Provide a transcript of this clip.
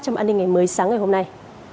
trong an ninh ngày mới sáng ngày hôm nay